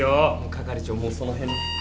係長もうその辺で。